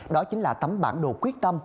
đó chính là tấm bản đồ quyết tâm